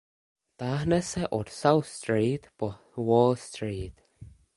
Táhne se od South Street po Wall Street.